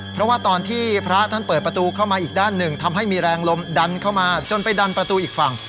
เพราะว่าตอนที่พระท่านเปิดประตูเข้ามาอีกด้านหนึ่งทำให้มีแรงลมดันเข้ามาจนไปดันประตูอีกฝั่ง